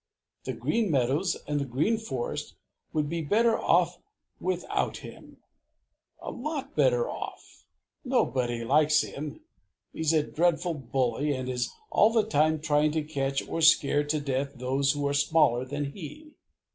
The Green Meadows and the Green Forest would be better off without him, a lot better off! Nobody likes him. He's a dreadful bully and is all the time trying to catch or scare to death those who are smaller than he.